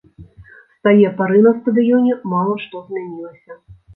З тае пары на стадыёне мала што змянілася.